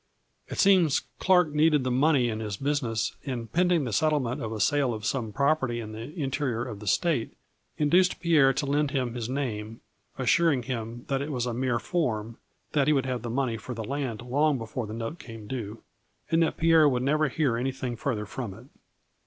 It seems Clark needed the money in his business and pending the settlement of a sale of some property in the interior of the State, induced Pierre to lend him his name, assuring him that it was a mere form, that he would have the 122 A FLUBRT IN DIAMONDS. money for the land long before the note came due, and that Pierre would never hear anything further from it.